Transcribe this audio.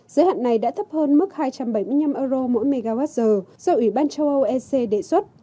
giới hạn này đã thấp hơn mức hai trăm bảy mươi năm euro mỗi mwh do ủy ban châu âu ec đề xuất